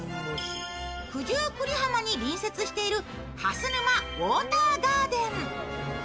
九十九里浜に隣接している蓮沼ウォーターガーデン。